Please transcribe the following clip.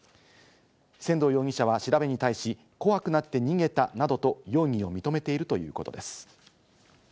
仙道容疑者は調べに対し、怖くなって逃げたなどと容疑を認めているということです。